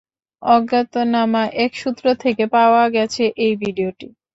অজ্ঞাতনামা এক সূত্র থেকে পাওয়া গেছে এই ভিডিওটি।